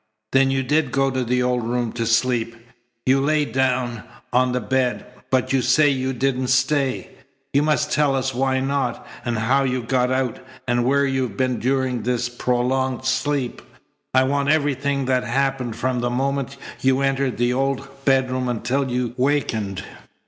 "Then you did go to the old room to sleep. You lay down on the bed, but you say you didn't stay. You must tell us why not, and how you got out, and where you've been during this prolonged sleep. I want everything that happened from the moment you entered the old bedroom until you wakened."